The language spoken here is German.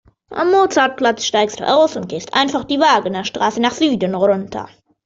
Am Mozartplatz steigst du aus und gehst einfach die Wagnerstraße nach Süden runter.